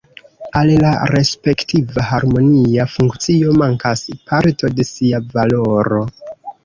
Al la respektiva harmonia funkcio mankas parto de sia valoro.